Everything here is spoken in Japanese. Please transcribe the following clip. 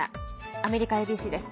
アメリカＡＢＣです。